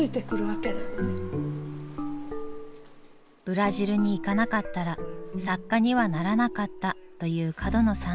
「ブラジルに行かなかったら作家にはならなかった」という角野さん。